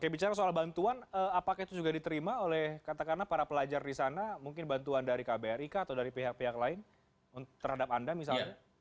bicara soal bantuan apakah itu juga diterima oleh katakanlah para pelajar di sana mungkin bantuan dari kbri kah atau dari pihak pihak lain terhadap anda misalnya